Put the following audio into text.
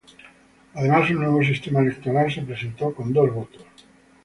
Además, un nuevo sistema electoral se presentó, con dos votos.